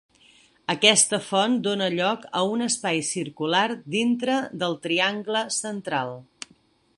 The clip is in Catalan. Aquesta font dóna lloc a un espai circular dintre del triangle central.